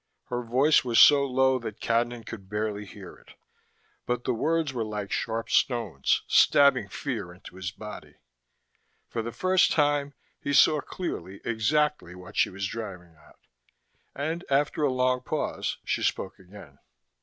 Her voice was so low that Cadnan could barely hear it, but the words were like sharp stones, stabbing fear into his body. For the first time, he saw clearly exactly what she was driving at. And after a long pause, she spoke again.